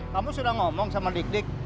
kamu sudah ngomong sama dik dik